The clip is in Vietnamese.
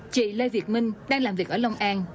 chị lê việt minh đang làm việc ở long an